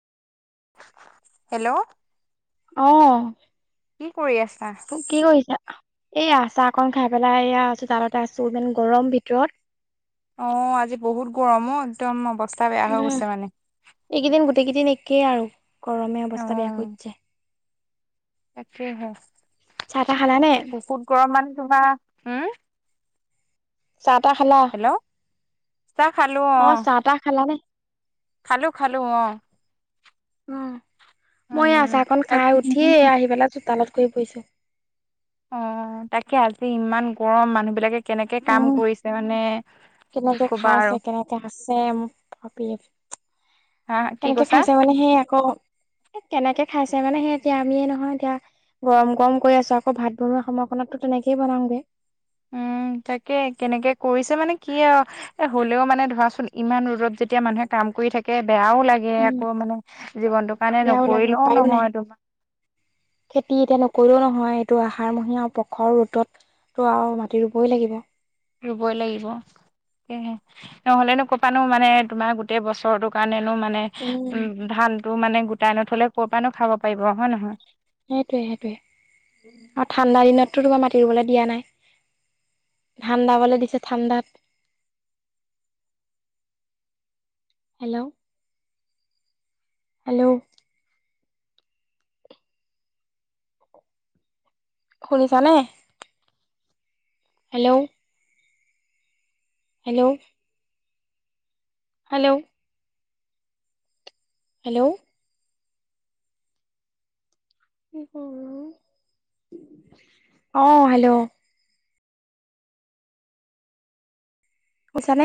Hello অ কি কৰি আছা? অ কি কইছা? এইয়া আচা অকন খাই পেলাই এইয়া চোতালতে আছো, ইমান গৰম ভিতৰত। অ, আজি বহুত গৰম অ', একদম অৱস্থা বেয়া হৈ উম, গৈছে মানে। এইকেইদিন একেই আৰু গৰমে অৱস্থা বেয়া কৰি দিছে। তাকেইহে, চাহ তাহ খালানে? বহুত গৰম মানে তোমাৰ উম চাহ তাহ খালা? হেল্ল'। অ চাহ তাহ খালা নে? খালোঁ খালোঁ অ। অ, মই এয়া উম। চাকন তাক খাই উঠিয়ে এয়া আহি পেলাই চোতালত। ঘূৰি ফুৰিছে। অ, তাকে আজি ইমান গৰম মানুহ বিলাকে কেনেকে কাম উম, কৰিছে মানে! কি কেনেকে ক'বা আৰু খাইছে, কেনেকে আছে মই ভাবি আছোঁ। হা কি কেনেকে কৈছা? খাইছে মানে সেই আকৌ এ কেনেকে খাইছে মানে সেই এতিয়া আমিয়ে নহয় এতিয়া গৰম গৰম কৰি আছোঁ, আকৌ ভাত বনোৱা সময়কনতটো তেনেকেই বনাওঁ গে। উম। তাকে কেনেকে কইছে মানে কি আৰু এ হলেও মানে ধৰাচোন ইমান ৰদত যেতিয়া মানুহে কাম কৰি থাকে বেয়াও লাগে উম, আকৌ মানে জীৱনটো কাৰণে বেয়াও লাগে নকৰিলেও উপায়ো নাই। নহয় তোমাৰ খেতি এতিয়া নকৰি হয় এইটো আহাৰমহীয়া আও প্ৰখৰ ৰ'দতটো আও মাটি ৰুবই লাগিব। ৰুবই লাগিব সেয়েহে নহ'লেনো কপা নো মানে তোমাৰ গোটেই বছৰটোৰ কাৰণে মানে উম ধান টো মানে গোটাই নথলে ক'ৰ পৰানো খাব পাৰিব হয় নহয়? সেইটোৱে সেইটোৱে আৰু ঠাণ্ডা দিনততো তোমাৰ মাটি ৰুবলৈ দিয়া নাই ধান ডাবলৈ দিছে ঠাণ্ডাত [inaudible] হেল্ল' হেল্ল' শুনিছা নে? হেল্ল' হেল্ল' হেল্ল' হেল্ল' অ' হেল্ল' উছা নে [inaudible]